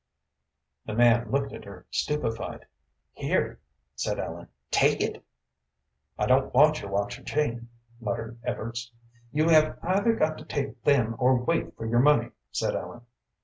The man looked at her stupefied. "Here," said Ellen; "take it." "I don't want your watch an' chain," muttered Evarts. "You have either got to take them or wait for your money," said Ellen.